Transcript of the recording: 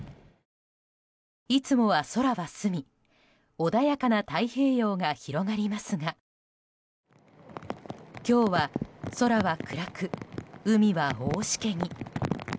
いつもは空が澄み穏やかな太平洋が広がりますが今日は、空は暗く海は大しけに。